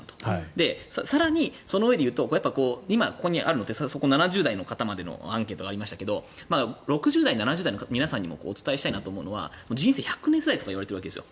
更にそのうえでいうと今、ここにあるのって７０代の方までのアンケートがありましたけど６０代、７０代の皆さんにもお伝えしたいのは人生１００年時代とか言われているわけです。